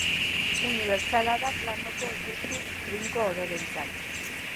Unibertsala da planoko objektu trinko ororentzat.